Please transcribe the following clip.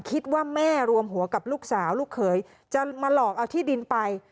คิดว่าแม่รวมหัวกับลูกสาวลูกเขยจะมาหลอกเอาที่ดินไป